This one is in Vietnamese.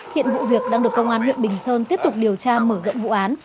hiện vụ việc đang được công an huyện bình sơn tiếp tục điều tra mở rộng vụ án